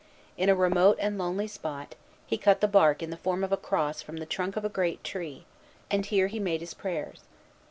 In a remote and lonely spot, he cut the bark in the form of a cross from the trunk of a great tree; and here he made his prayers.